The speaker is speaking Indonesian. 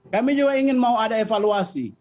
kami juga ingin mau ada evaluasi